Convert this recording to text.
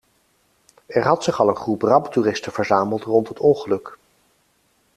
Er had zich al een groep ramptoeristen verzameld rond het ongeluk.